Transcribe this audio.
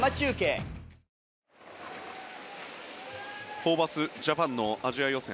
ホーバスジャパンのアジア予選。